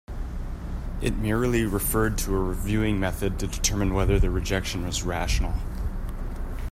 It merely referred to a reviewing method to determine whether the rejection was rational.